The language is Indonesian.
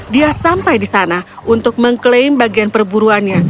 dia sampai di sana untuk mengklaim bagian perburuannya